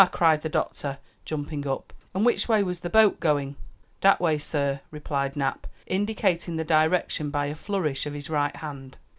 cried the doctor, jumping up; "and which way was the boat going?" "Dat way, sah," replied Nap, indicating the direction by a flourish of his right hand.